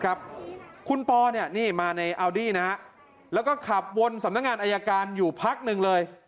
คุณปอเนี่ยนี่มาในอัลดี้นะฮะแล้วก็ขับวนสำนักงานอายการอยู่พักหนึ่งเลย